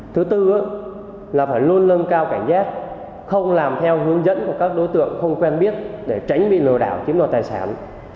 thứ tư là phải luôn lân cao cảnh giác không làm theo hướng dẫn của các đối tượng không quen biết để tránh bị lừa đảo chiếm đoạt tài sản